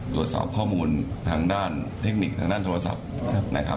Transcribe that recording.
ตรวจสอบข้อมูลทางด้านเทคนิคทางด้านโทรศัพท์นะครับ